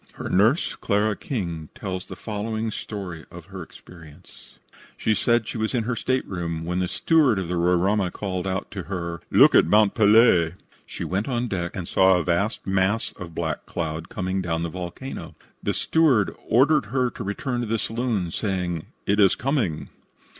Her nurse, Clara King, tells the following story of her experience: She says she was in her stateroom, when the steward of the Roraima called out to her: "Look at Mont Pelee." She went on deck and saw a vast mass of black cloud coming down from the volcano. The steward ordered her to return to the saloon, saying, "It is coming."